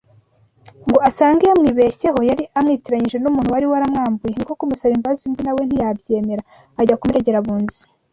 Ngo asange yamwibeshyeho yari amwitiranyije n’umuntu wari waramwambuye niko kumusaba imbabazi undi na we ntiyabyemera ajya kumuregera abunzi